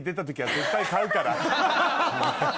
絶対買うから私。